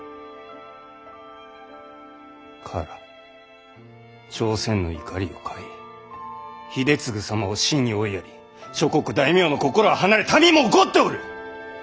唐朝鮮の怒りを買い秀次様を死に追いやり諸国大名の心は離れ民も怒っておる！